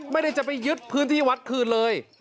ไม่ได้จะไปยึดพื้นที่วัดคืนเลย